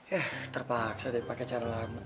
yah terpaksa deh pakai cara lama